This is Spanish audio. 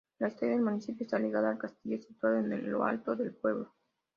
La historia del municipio está ligada al castillo situado en lo alto del pueblo.